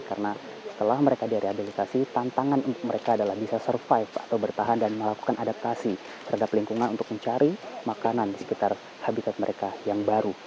karena setelah mereka di rehabilitasi tantangan untuk mereka adalah bisa survive atau bertahan dan melakukan adaptasi terhadap lingkungan untuk mencari makanan di sekitar habitat mereka yang baru